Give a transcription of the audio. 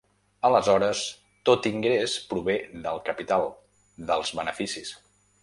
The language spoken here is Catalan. Aleshores tot ingrés prové del capital, dels beneficis.